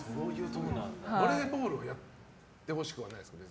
バレーボールをやってほしくはないですか？